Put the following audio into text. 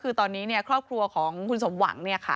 ก็คือตอนนี้ครอบครัวของคุณสมหวัง